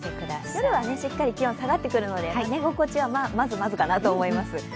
夜は気温が下がってくるので寝心地はまずまずかと思います。